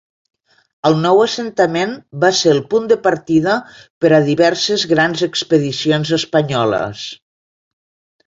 El nou assentament va ser el punt de partida per a diverses grans expedicions espanyoles.